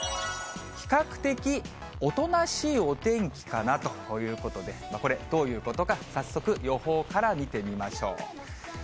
比較的おとなしいお天気かなということで、これ、どういうことか、早速、予報から見てみましょう。